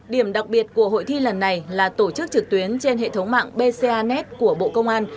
điểm đặc biệt của hội thi lần này là tổ chức trực tuyến trên hệ thống mạng bcanet của bộ công an